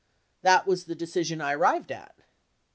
That was the decision I arrived at.